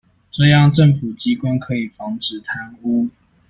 這樣政府機關可以防止貪污